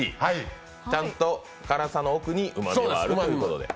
ちゃんと辛さの奥にうまみもあるということで。